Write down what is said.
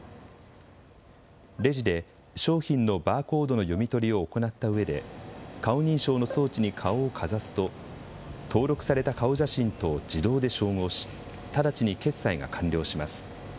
レジで商品のバーコードの読み取りを行ったうえで、顔認証の装置に顔をかざすと、登録された顔写真と自動で照合し、直ちに決済が完了します。